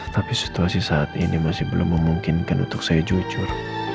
tapi situasi saat ini masih belum memungkinkan untuk saya jujur